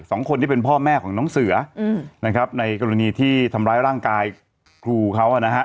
คนที่เป็นพ่อแม่ของน้องเสืออืมนะครับในกรณีที่ทำร้ายร่างกายครูเขาอ่ะนะฮะ